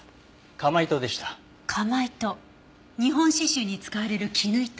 釜糸日本刺繍に使われる絹糸。